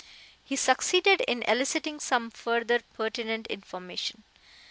He succeeded in eliciting some further pertinent information.